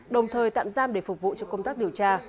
đồng thời tạm giam để phục vụ cho công tác điều tra